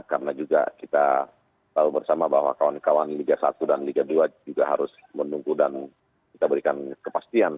karena juga kita tahu bersama bahwa kawan kawan liga satu dan liga dua juga harus menunggu dan kita berikan kepastian